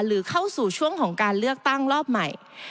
หรือเข้าสู่ช่วงของการเลือกตั้งรอบใหม่